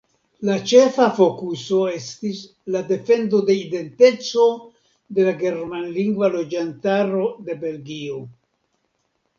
La ĉefa fokuso estis la defendo de identeco de la germanlingva loĝantaro de Belgio.